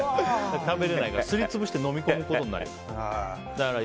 すり潰して飲み込むことになるよ。